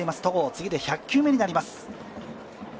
次で１００球目になります。